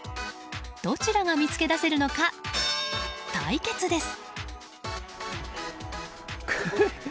どちらが見つけ出せるのか対決です。